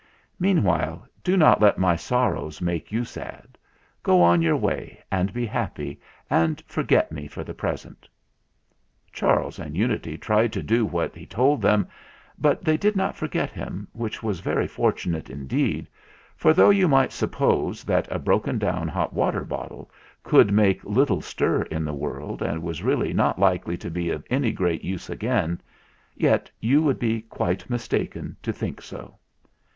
Meanwhile do not let my sorrows make you sad. Go on your way and be happy and forget me for the present." Charles and Unity tried to do what he told them; but they did not forget him, which was very fortunate indeed, for, though you might suppose that a broken down hot water bottle i8o THE FLINT HEART could make little stir in the world and was really not likely to be of any great use again, yet you would be quite mistaken to think so.